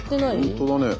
本当だね。